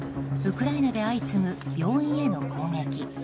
ウクライナで相次ぐ病院への攻撃。